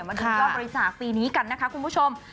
มาดูยอดบริจาคปีนี้กันนะคะคุณผู้ชม